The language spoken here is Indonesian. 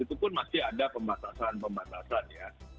itu pun masih ada pembatasan pembatasan ya